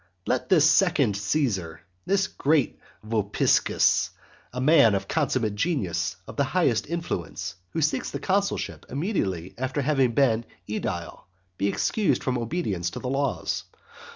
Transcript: Let this second Caesar, this great Vopiscus, a man of consummate genius, of the highest influence, who seeks the consulship immediately after having been aedile, be excused from obedience to the laws.